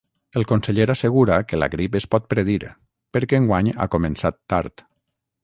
El conseller assegura que la grip es pot predir, perquè enguany ha començat tard.